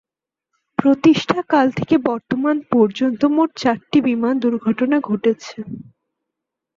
প্রতিষ্ঠাকাল থেকে বর্তমান পর্যন্ত মোট চারটি বিমান দুর্ঘটনা ঘটেছে।